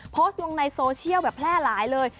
โพสต์ลงในโซเชียลแบบแพร่หลายเลย